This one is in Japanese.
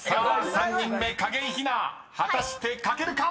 ［３人目景井ひな果たして書けるか⁉］